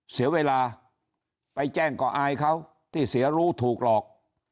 เสียเวลาไปแจ้งก็อายเขาที่เสียรู้ถูกหลอก